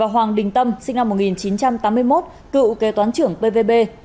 hoàng đình tâm sinh năm một nghìn chín trăm tám mươi một cựu kế toán trưởng pvb